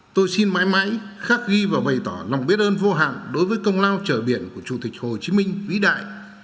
tôi xin mãi mãi khắc ghi và bày tỏ lòng biết ơn vô hạn đối với công lao trở biển của chủ tịch hồ chí minh vĩ đại